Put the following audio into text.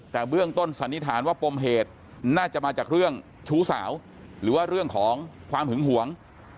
แต่เบื้องต้นสันนิษฐานว่าปมเหตุน่าจะมาจากเรื่องชู้สาวหรือว่าเรื่องของความหึงหวง